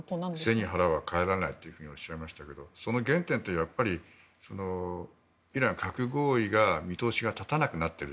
背に腹は代えられないとおっしゃいましたけどその原点というのはやはり、イラン核合意の見通しが立たなくなっている。